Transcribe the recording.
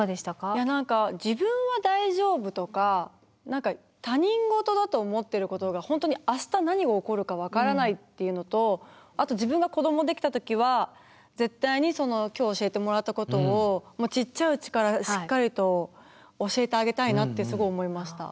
いや何か自分は大丈夫とか何か他人事だと思ってることが本当に明日何が起こるか分からないっていうのとあと自分が子ども出来た時は絶対にその今日教えてもらったことをちっちゃいうちからしっかりと教えてあげたいなってすごい思いました。